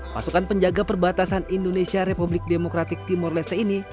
pasukan penjaga perbatasan indonesia republik demokratik timur leste ini